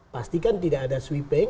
pastikan tidak ada sweeping